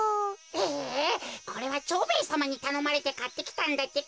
えっこれは蝶兵衛さまにたのまれてかってきたんだってか。